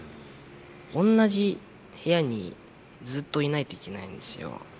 おんなじ部屋にずっといないといけないんですよ。